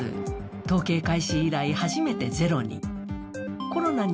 統計開始以来、初めてゼロに。